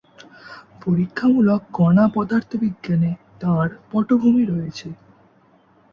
পরীক্ষামূলক কণা পদার্থবিজ্ঞানে তাঁর পটভূমি রয়েছে।